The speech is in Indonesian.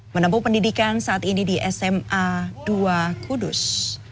menempuh pendidikan saat ini di sma dua kudus